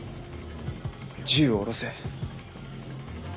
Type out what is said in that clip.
銃を下ろせ。